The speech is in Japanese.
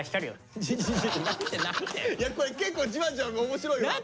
いやこれ結構じわじわ面白いわ！